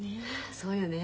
そうよね。